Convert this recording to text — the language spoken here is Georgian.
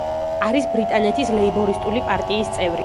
არის ბრიტანეთის ლეიბორისტული პარტიის წევრი.